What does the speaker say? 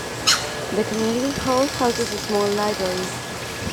The Community Hall houses a small library.